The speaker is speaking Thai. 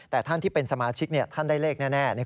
แต่ท่านที่เป็นสมาชิกท่านได้เลขแน่